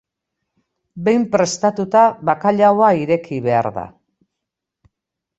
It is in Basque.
Behin prestatuta bakailaoa ireki behar da.